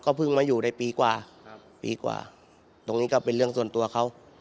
เพิ่งมาอยู่ได้ปีกว่าครับปีกว่าตรงนี้ก็เป็นเรื่องส่วนตัวเขา